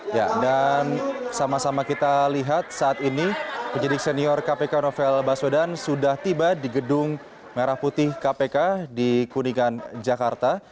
ya dan sama sama kita lihat saat ini penyidik senior kpk novel baswedan sudah tiba di gedung merah putih kpk di kuningan jakarta